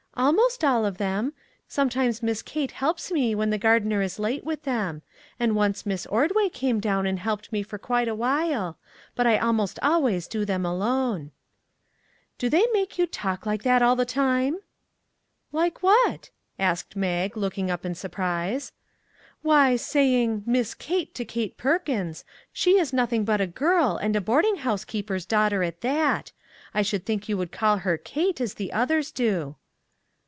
"" Almost all of them ; sometimes Miss Kate helps me when the gardener is late with them; and once Miss Ordway came down and helped me for quite awhile; but I almost always do them alone." " Do they make you talk like that all the time?" " Like what ?" asked Mag, looking up in surprise. " Why, saying ' Miss Kate ' to Kate Perkins; 184 PEAS AND PICNICS she is nothing but a girl, and a boarding house keeper's daughter at that. I should think you would call her ' Kate,' as the others do."